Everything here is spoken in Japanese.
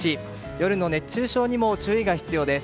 夜の熱中症にも注意が必要です。